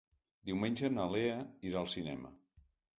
Diumenge na Lea irà al cinema.